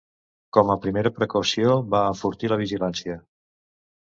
Com a primera precaució, va enfortir la vigilància.